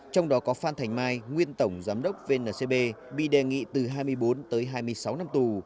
trong đó có phan thành mai nguyên tổng giám đốc vncb bị đề nghị từ hai mươi bốn tới hai mươi sáu năm tù